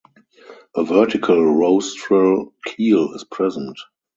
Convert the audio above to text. A vertical rostral keel is present.